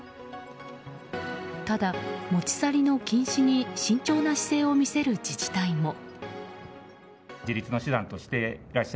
ただ、持ち去りの禁止に慎重な姿勢を見せる自治体も。